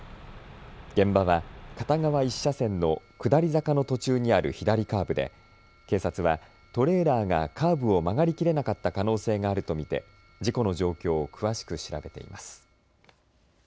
現場は片側１車線の下り坂の途中にある左カーブで警察はトレーラーがカーブを曲がりきれなかった可能性があると見て事故の状況を詳しく調べています。